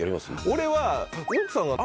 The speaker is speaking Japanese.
俺は。